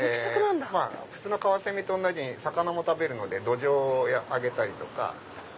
普通のカワセミと同じように魚も食べるのでドジョウをあげたり。